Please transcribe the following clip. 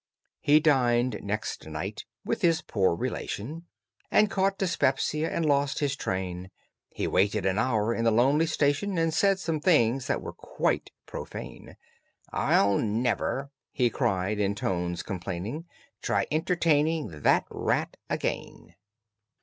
He dined next night with his poor relation, And caught dyspepsia, and lost his train, He waited an hour in the lonely station, And said some things that were quite profane. "I'll never," he cried, in tones complaining, "Try entertaining That rat again."